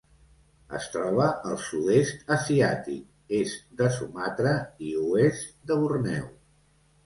Es troba al Sud-est asiàtic: est de Sumatra i oest de Borneo.